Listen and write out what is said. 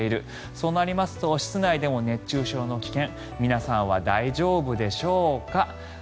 そうなりますと室内でも熱中症の危険皆さんは大丈夫でしょうか？